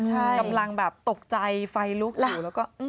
กำลังแบบตกใจไฟลุกอยู่แล้วก็